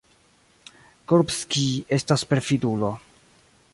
Kurbskij estas perfidulo.